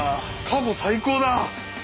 過去最高だ。